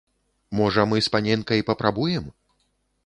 Можа, мы з паненкай папрабуем?